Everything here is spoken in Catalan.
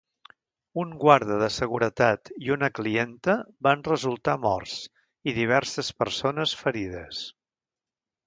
Un guarda de seguretat i una clienta van resultar morts i diverses persones ferides.